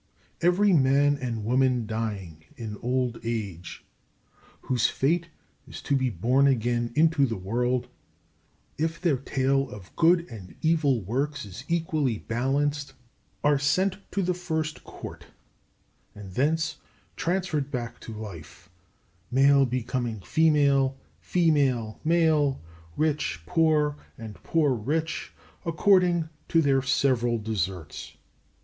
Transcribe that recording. Every man and woman dying in old age whose fate it is to be born again into the world, if their tale of good and evil works is equally balanced, are sent to the First Court, and thence transferred back to Life, male becoming female, female male, rich poor, and poor rich, according to their several deserts.